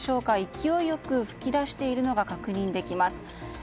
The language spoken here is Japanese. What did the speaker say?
勢いよく噴き出しているのが確認できます。